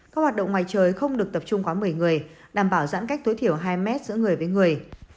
các hoạt động ngoài trời không được tập trung quá một mươi người đảm bảo giãn cách tối thiểu hai mét giữa người với người